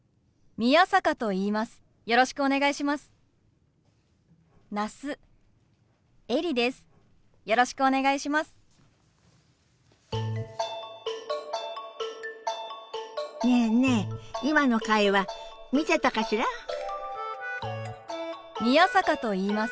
宮坂と言います。